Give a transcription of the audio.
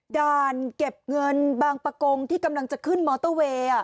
เก็บเงินบางประกงที่กำลังจะขึ้นมอเตอร์เวย์